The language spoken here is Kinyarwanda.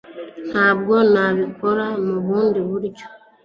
Ntabwo nabikora mubundi buryo